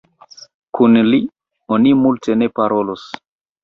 Kun li oni multe ne parolos!